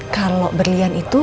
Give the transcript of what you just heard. kalau berlian itu